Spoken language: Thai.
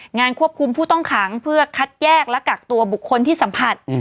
งานควบคุมผู้ต้องขังเพื่อคัดแยกและกักตัวบุคคลที่สัมผัส